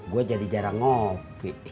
gue jadi jarang ngopi